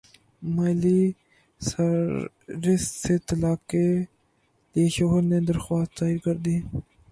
Miley Cyrus سے طلاق کے لیے شوہر نے درخواست دائر کردی